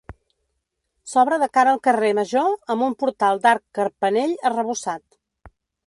S'obre de cara al carrer Major amb un portal d'arc carpanell arrebossat.